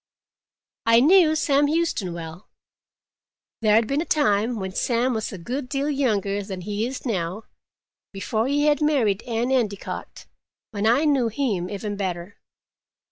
I knew Sam Huston well. There had been a time, when Sam was a good deal younger than he is now, before he had married Anne Endicott, when I knew him even better.